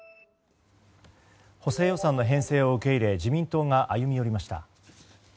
補正予算の編成を受け入れ自民党が歩み寄りました。